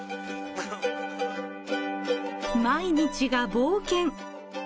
毎日が冒険。